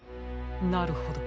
なるほど。